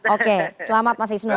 oke selamat mas isnur